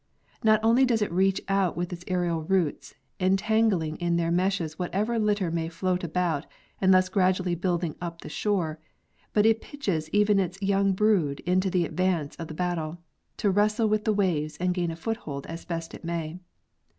Not only does it reach out with its aerial roots entangling in their meshes whatever litter may float about and thus gradually building up the shore, but it pitches even its young brood into the advance of the battle, to wrestle with the waves and gain a foothold as best it may.